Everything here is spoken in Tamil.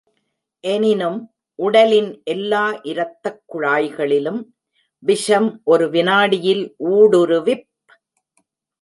எனினும் உடலின் எல்லா இரத்தக் குழாய்களிலும் விஷம் ஒரு வினாடியில் ஊடுருவிப்.